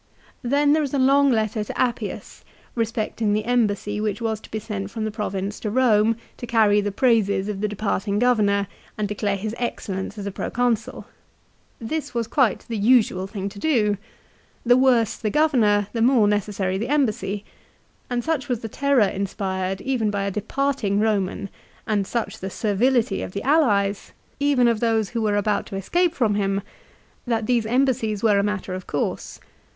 Then there is a long letter to Appius, 2 respecting the embassy which was to be sent from the Province to Eome to carry the praises of the departing governor and declare his excellence as a Proconsul ! This was quite the usual thing to do ! The worse the Governor, the more necessary the Embassy ; and such was the terror inspired even by a departing Eoman, and such the servility of the allies, 1 Ad Div. lib. xv. 1. 2 Ad Div. lib. iii. 8, 102 LIFE OF CICERO. even of those who were about to escape from him, that these embassies were a matter of course.